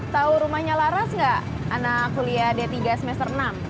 tahu rumahnya laras nggak anak kuliah d tiga semester enam